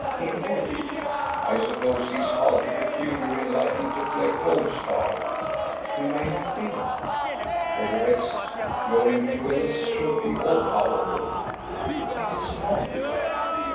"He would." "I suppose he is hardly peculiar in liking to play Pole star." "He may not be." "For the rest, your influence should be all powerful." "It is not."